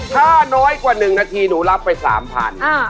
ถ้าน้อยกว่า๑นาทีหนูรับไป๓๐๐บาท